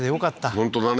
本当だね